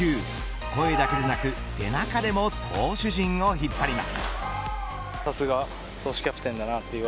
声だけでなく、背中でも投手陣を引っ張ります。